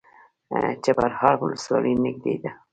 چپرهار ولسوالۍ نږدې ده؟